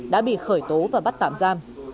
đã bị khởi tố và bắt tạm giam